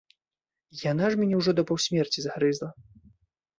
Яна ж мяне ўжо да паўсмерці загрызла.